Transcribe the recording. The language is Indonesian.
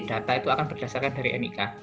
data itu akan berdasarkan dari nik